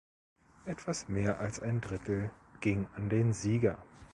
Etwas mehr als ein Drittel ging an den Sieger.